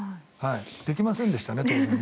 できませんでしたね、当時は。